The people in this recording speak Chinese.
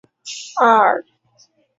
奥托二世。